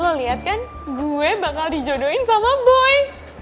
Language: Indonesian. gue liat kan gue bakal dijodohin sama boy